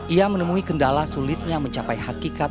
ia menemui kendala sulitnya mencapai hakikat